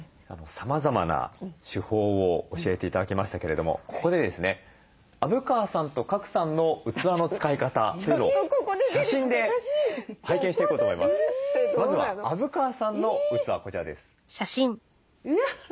さまざまな手法を教えて頂きましたけれどもここでですね虻川さんと賀来さんの器の使い方というのを写真で拝見していこうと思います。